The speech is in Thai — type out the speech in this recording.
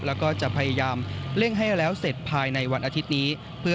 แล้วก็จะพยายามเร่งให้แล้วเสร็จภายในวันอาทิตย์นี้